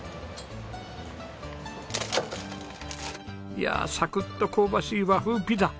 いやサクッと香ばしい和風ピザ！